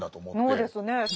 そうですね。